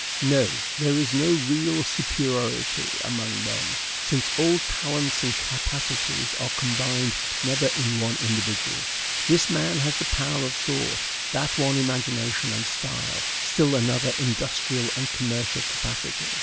No; there is no real superiority among men, since all talents and capacities are combined never in one individual. This man has the power of thought, that one imagination and style, still another industrial and commercial capacity.